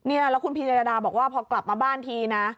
แล้วคุณพีเจรดาบอกว่าพอกลับมาบ้านทีนะ